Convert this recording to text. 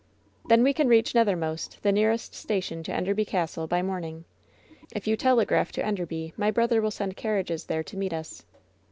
"Then we can reach Nethermost, the nearest station to Enderby Castle, by morning. If you tel^raph to Enderby my brother will send carriages there to meet us."